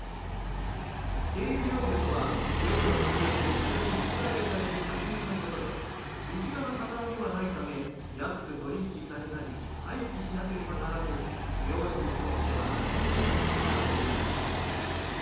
低利用魚とは漁の過程で一緒に水揚げされる魚のことで身近な魚ではないため安く取引されたり廃棄しなければならず漁師にとっては悩みの種となっています。